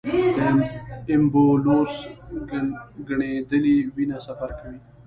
د ایمبولوس ګڼېدلې وینه سفر کوي.